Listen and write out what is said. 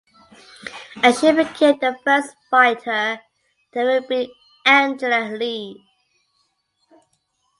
At she became the first fighter to ever beat Angela Lee.